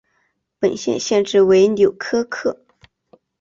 本县县治为纽柯克。